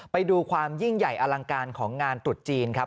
ไปดูความยิ่งใหญ่อลังการของงานตรุษจีนครับ